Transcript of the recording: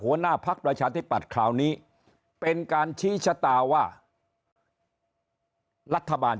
หัวหน้าพักประชาธิปัตย์คราวนี้เป็นการชี้ชะตาว่ารัฐบาล